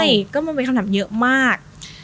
ใช่ก็มันเป็นคำถามเยอะมาก